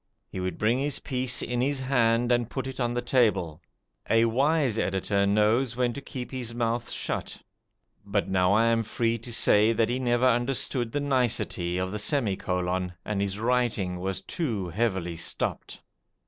He would bring his piece in his hand and put it on the table. A wise editor knows when to keep his mouth shut; but now I am free to say that he never understood the nicety of the semi colon, and his writing was too heavily stopped.